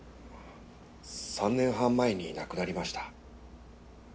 ３年半前に亡くなりました。